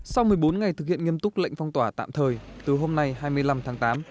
sau một mươi bốn ngày thực hiện nghiêm túc lệnh phong tỏa tạm thời từ hôm nay hai mươi năm tháng tám